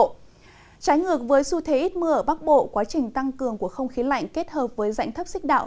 trái ngược với xu thế ít mưa ở bắc bộ quá trình tăng cường của không khí lạnh kết hợp với dạnh thấp xích đạo